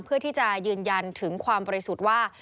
เพื่อที่จะยืนยันถึงความบริสุทธิ์ว่า